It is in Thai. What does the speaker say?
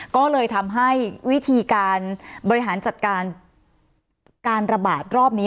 ก็เลยทำให้วิธีการบริหารจัดการการระบาดรอบนี้